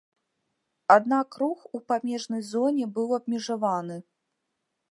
Аднак рух у памежнай зоне быў абмежаваны.